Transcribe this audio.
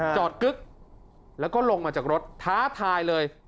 กึ๊กแล้วก็ลงมาจากรถท้าทายเลย